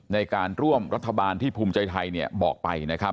ในการร่วมรัฐบาลที่ภูมิใจไทยบอกไปนะครับ